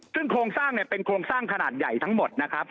ซึ่งโครงสร้างเป็นโครงสร้างขนาดใหญ่ทั้งหมดนะครับ